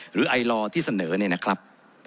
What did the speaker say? หรือไอลอร์ที่เสนอเนี่ยนะครับ